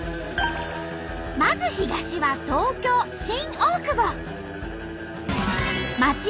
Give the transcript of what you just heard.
まず東は東京・新大久保。